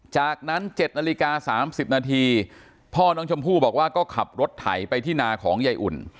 จากนั้น๗นาฬิกา๓๐นาทีพ่อน้องชมพู่บอกว่าก็ขับรถไถไปที่นาของยายอุ่น